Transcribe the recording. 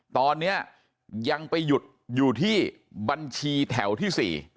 ตอนนี้ยังไปหยุดอยู่ที่บัญชีแถวที่๔